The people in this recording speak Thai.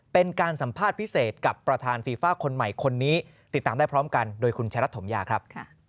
เป็นการสัมภาษณ์พิเศษกับประธานฟีฟ่าคนใหม่คนนี้ติดตามได้พร้อมกันโดยคุณชะรัฐถมยาครับ